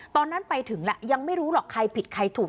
ตอนนั้นไปถึงแล้วยังไม่รู้หรอกใครผิดใครถูก